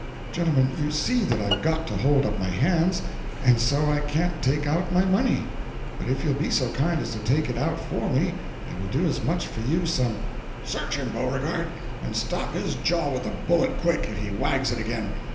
"Gentlemen, you see that I've got to hold up my hands; and so I can't take out my money—but if you'll be so kind as to take it out for me, I will do as much for you some—" "Search him Beauregard—and stop his jaw with a bullet, quick, if he wags it again.